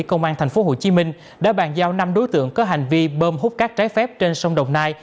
công an thành phố hồ chí minh đã bàn giao năm đối tượng có hành vi bơm hút cá trái phép trên sông đồng nai